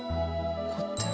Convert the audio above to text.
凝ってる。